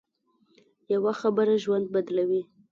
یوه خبره ژوند بدلوي